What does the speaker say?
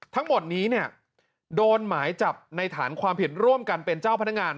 ทั้งหมดนี้เนี่ยโดนหมายจับในฐานความผิดร่วมกันเป็นเจ้าพนักงาน